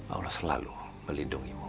allah selalu melindungimu